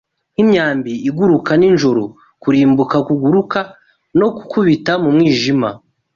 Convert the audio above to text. nk'imyambi iguruka Nijoro, kurimbuka kuguruka, no gukubita mu mwijima